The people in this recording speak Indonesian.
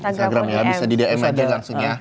instagram ya bisa di dmd langsung ya